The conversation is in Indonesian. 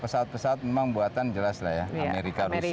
pesawat pesawat memang buatan jelas lah ya amerika rusia